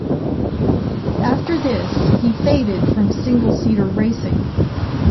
After this he faded from single-seater racing.